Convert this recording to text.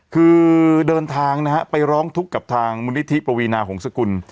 คือเดินทางนะฮะไปร้องทุกข์กับทางมูลนิธิปวีนาหงษกุล